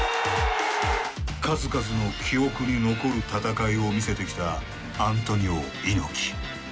数々の記憶に残る戦いを見せてきたアントニオ猪木。